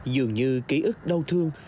dường như ký ức đau thương